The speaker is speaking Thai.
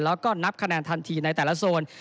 แล้วก็นับคะแนนทันทีในแต่ละโซน